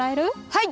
はい！